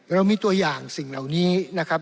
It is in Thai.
เรามีตัวอย่างสิ่งเหล่านี้นะครับ